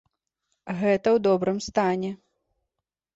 Гэта ў добрым стане.